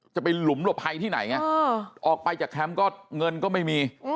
ไปหลุมหลบภัยที่ไหนไงออกไปจากแคมป์ก็เงินก็ไม่มี